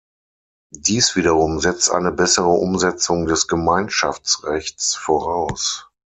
Dies wiederum setzt eine bessere Umsetzung des Gemeinschaftsrechts voraus.